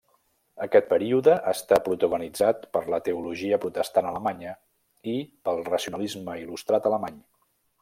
Aquest període està protagonitzat per la teologia protestant alemanya i pel racionalisme il·lustrat alemany.